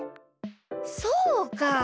そうか！